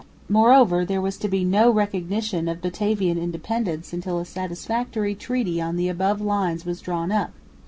Moreover there was to be no recognition of Batavian independence until a satisfactory treaty on the above lines was drawn up.